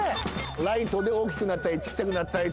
ライトで大きくなったりちっちゃくなったりっていうのも